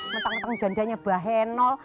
mentang mentang jandanya mbak henol